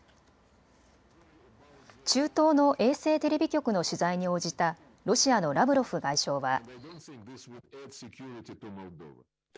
中東の衛星テレビ局の取材に応じたロシアのラブロフ外相は。